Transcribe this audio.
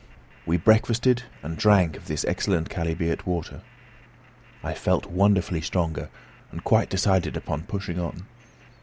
We breakfasted, and drank of this excellent chalybeate water. I felt wonderfully stronger, and quite decided upon pushing on.